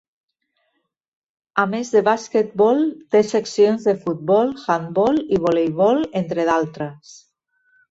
A més de basquetbol té seccions de futbol, handbol i voleibol, entre d'altres.